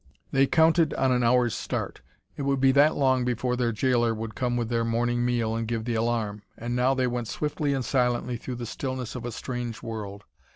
They counted on an hour's start it would be that long before their jailer would come with their morning meal and give the alarm and now they went swiftly and silently through the stillness of a strange world.